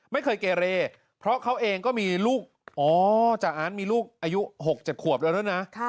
ไม่เคยเกเรเพราะเค้าเองก็มีลูกอ้ออายุหกจะควบแล้วนึดหน้า